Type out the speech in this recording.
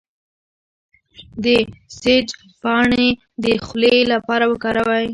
د سیج پاڼې د خولې لپاره وکاروئ